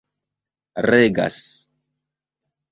regas